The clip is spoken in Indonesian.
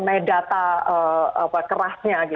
dan ini juga bisa dikira kerahnya